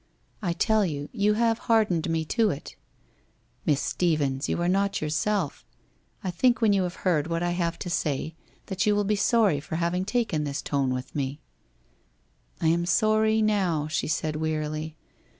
I tell you, you have hardened me to it' 1 Miss Stephens, you are not yourself. I think when you have heard what I have to say, that you will be sorry for having taken this tone with me/ ' I am sorry now/ she said wearily.